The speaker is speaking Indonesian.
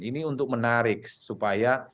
ini untuk menarik supaya